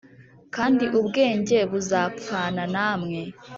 kandi ubwenge buzapfana namwe